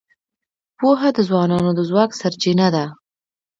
پوهه د ځوانانو د ځواک سرچینه ده.